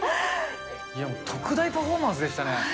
特大パフォーマンスでしたね。